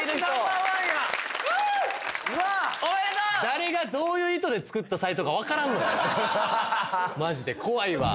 誰がどういう意図で作ったサイトかわからんのよははは